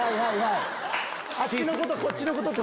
あっちのことこっちのことって。